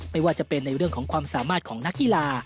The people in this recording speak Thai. ไม่ว่าจะเป็นในเรื่องของความสามารถของนักกีฬา